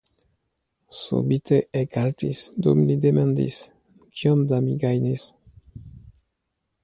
Subite ekhaltis, dum li demandis: Kiom do mi gajnis?